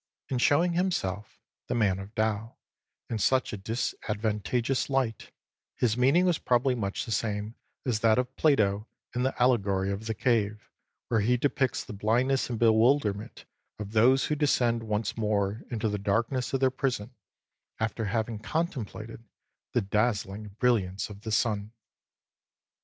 In showing himself, the man of Tao, in such a disadvantageous light, his meaning was probably much the same as that of Plato in the allegory of the Cave, where he depicts the blindness and bewilderment of those who descend once more into the darkness of their prison after having contemplated the dazzling brilliance of the sun.